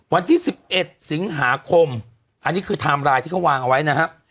วันที่๑๑สิงหาคมอันนี้คือไทม์ไลน์ที่เขาวางเอาไว้นะครับ